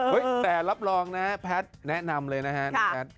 เฮ้ยแต่รับรองนะแพทย์แนะนำเลยนะครับ